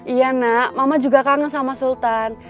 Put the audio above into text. iya nak mama juga kangen sama sultan